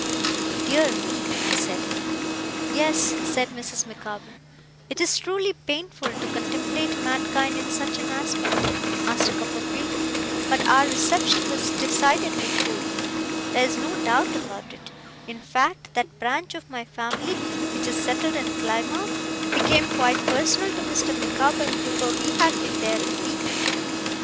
'Dear me!' I said. 'Yes,' said Mrs. Micawber. 'It is truly painful to contemplate mankind in such an aspect, Master Copperfield, but our reception was, decidedly, cool. There is no doubt about it. In fact, that branch of my family which is settled in Plymouth became quite personal to Mr. Micawber, before we had been there a week.